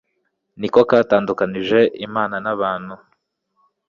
niko katandukanije imana n'abantu